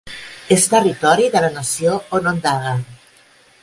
És territori de la nació onondaga.